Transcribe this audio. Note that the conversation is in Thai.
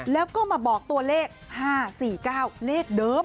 แล้วก็มาบอกตัวเลข๕๔๙เลขเดิม